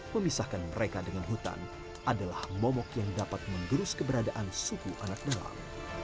memisahkan mereka dengan hutan adalah momok yang dapat menggerus keberadaan suku anak dalam